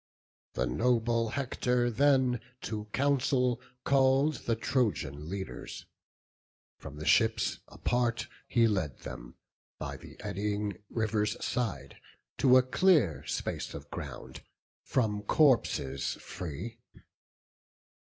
The noble Hector then to council call'd The Trojan leaders; from the ships apart He led them, by the eddying river's side, To a clear space of ground, from corpses free.